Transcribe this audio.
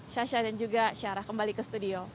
syasha dan juga syarah kembali ke studio